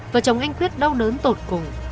vợ chồng anh quyết đau đớn tột cùng